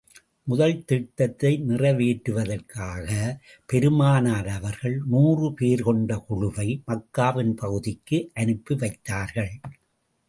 முதல் திட்டத்தை நிறைவேற்றுவதற்காக, பெருமானார் அவர்கள் நூறு பேர் கொண்ட குழுவை, மக்காவின் பகுதிக்கு அனுப்பி வைத்தார்கள்.